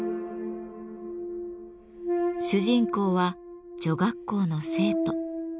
主人公は女学校の生徒。